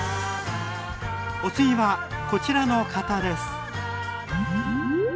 お次はこちらの方です！